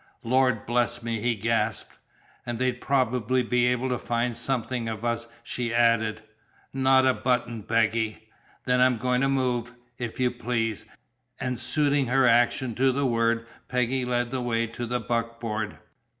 "Lord bless me!" he gasped. "And they'd probably be able to find something of us," she added. "Not a button, Peggy!" "Then I'm going to move, if you please!" And suiting her action to the word Peggy led the way to the buckboard.